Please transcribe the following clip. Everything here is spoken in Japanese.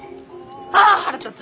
ああ腹立つ！